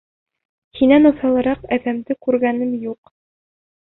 Һинән уҫалыраҡ әҙәмде күргәнем юҡ.